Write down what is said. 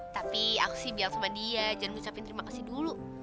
tapi aksi bilang sama dia jangan ngucapin terima kasih dulu